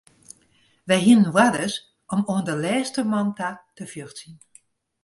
Wy hiene oarders om oan de lêste man ta te fjochtsjen.